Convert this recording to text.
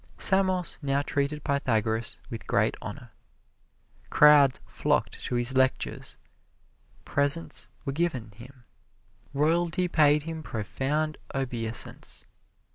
Samos now treated Pythagoras with great honor. Crowds flocked to his lectures, presents were given him, royalty paid him profound obeisance.